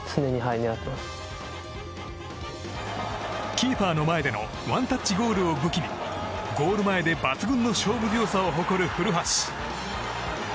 キーパーの前でのワンタッチゴールを武器にゴール前で抜群の勝負強さを誇る古橋。